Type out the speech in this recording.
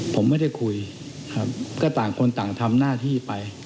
ผมไม่ได้คุยครับก็ต่างคนต่างทำหน้าที่ไป